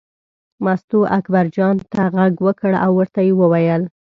مستو اکبرجان ته غږ وکړ او ورته یې وویل.